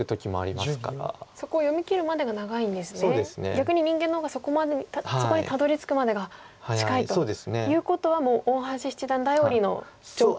逆に人間の方がそこにたどり着くまでが近いということはもう大橋七段頼りの状況と。